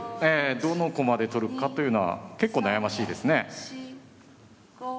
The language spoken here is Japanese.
どの駒で取るかというのは結構悩ましいですね。